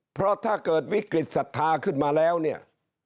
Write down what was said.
เพราะถ้าเกิดวิกฤตศรัทธาขึ้นมาแล้วเนี่ย